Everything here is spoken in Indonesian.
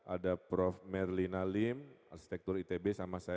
ada prof merlina lim arsitektur itb sama saya